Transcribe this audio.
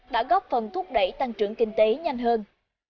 đã góp phần thúc đẩy tăng trưởng kinh tế nhanh hơn